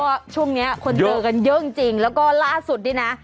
เพราะช่วงนี้คนเดินกันเยอะจริงแล้วก็ล่าสุดดินะ